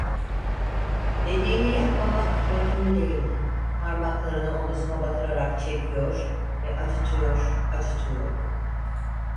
Dediğini yapmamak mümkün değildi, parmaklarını omuzuma batırarak çekiyor ve acıtıyor, acıtıyordu…